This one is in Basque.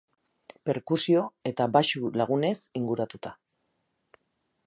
Perkusio eta baxu lagunez inguratuta.